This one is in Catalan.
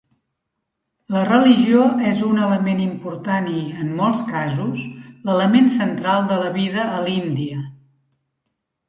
La religió és un element important i, en molts casos, l'element central de la vida a l'Índia.